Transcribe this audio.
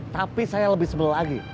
tapi saya lebih senang lagi